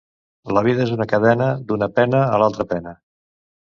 La vida és una cadena: d'una pena, a l'altra pena.